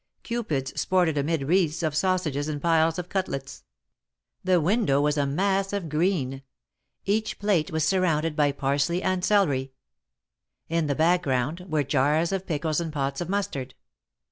Cupids sported amid wreaths of sausages and piles of cutlets. The window 56 THE MARKETS OF PARIS. was a mass of green. Each plate was surrounded by parsley and celery. In the background were jars of pickles and pots of mustard.